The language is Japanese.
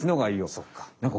そっか。